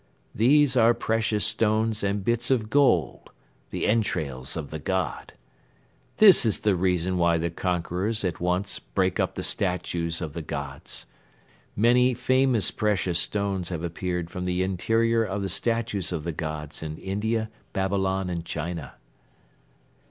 "These are precious stones and bits of gold, the entrails of the god. This is the reason why the conquerors at once break up the statues of the gods. Many famous precious stones have appeared from the interior of the statues of the gods in India, Babylon and China."